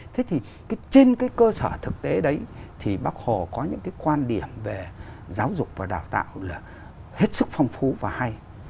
thế thì trên cái cơ sở thực tế đấy thì bác hồ có những cái quan điểm về giáo dục và đào tạo là hết sức phong phú và hay